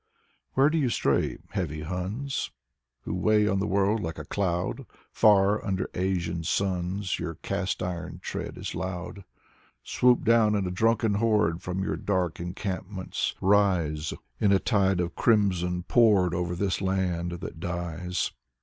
Where do you stray, heavy Huns, Who weigh on the world like a cloud? Far, under Asian suns, Your cast iron tread is loud. Swoop down in a drunken horde From your dark encampments, rise In a tide of crimson poured Over this land that dies.